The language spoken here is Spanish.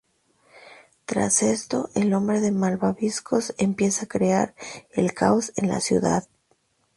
Tras esto, el Hombre de Malvavisco empieza a crear el caos en la ciudad.